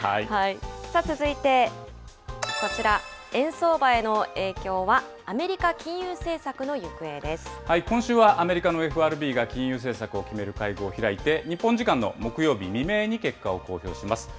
さあ、続いてこちら、円相場への影響は今週はアメリカのＦＲＢが金融政策を決める会合を開いて、日本時間の木曜日未明に結果を公表します。